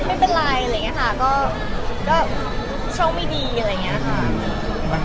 เขาก็แบบว่าไม่เป็นไรอะไรอย่างเงี้ยค่ะก็ช่องไม่ดีอะไรอย่างเงี้ยค่ะ